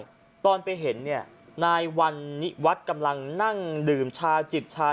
สู้แต่ไปเห็นนายวันนิวัฒต์กำลังนั่งดื่มชาจิบชา